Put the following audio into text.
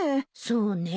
そうね。